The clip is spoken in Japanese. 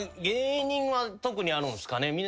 芸人は特にあるんすかね。